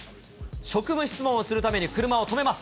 職務質問をするために車を止めます。